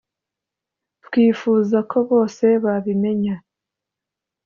twifuza ko bose babimenya